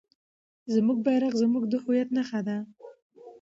زموږ بیرغ زموږ د هویت نښه ده.